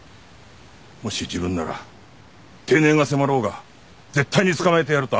もし自分なら定年が迫ろうが絶対に捕まえてやるとあがく。